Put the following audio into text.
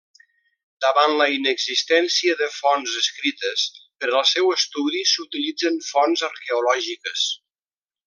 Davant la inexistència de fonts escrites, per al seu estudi s'utilitzen fonts arqueològiques.